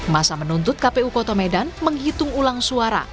masa menuntut kpu kota medan menghitung ulang suara